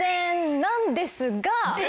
なんですが。